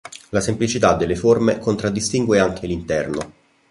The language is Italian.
La semplicità delle forme contraddistingue anche l'interno.